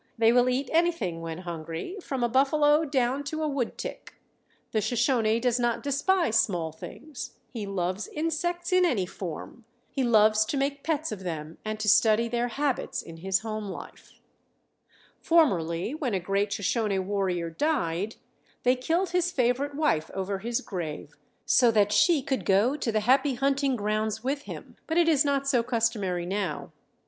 They will eat anything when hungry, from a buffalo down to a woodtick. The Shoshone does not despise small things. He loves insects in any form. He loves to make pets of them and to study their habits in his home life. [Illustration: THE HOME CIRCLE.] Formerly, when a great Shoshone warrior died, they killed his favorite wife over his grave, so that she could go to the happy hunting grounds with him, but it is not so customary now.